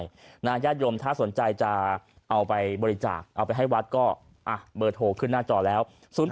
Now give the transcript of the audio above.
ญาติโยมถ้าสนใจจะเอาไปบริจาคเอาไปให้วัดก็เบอร์โทรขึ้นหน้าจอแล้ว